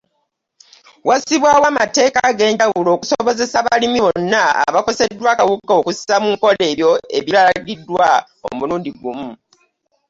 Wassibwawo amateeka ag’enjawulo okusobozesa abalimi bonna abakoseddwa akawuka okussa mu nkola ebyo ebiragiddwa omulundi gumu.